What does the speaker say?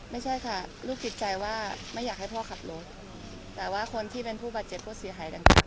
ไม่ใช่ค่ะลูกติดใจว่าไม่อยากให้พ่อขับรถแต่ว่าคนที่เป็นผู้บาดเจ็บผู้เสียหายต่าง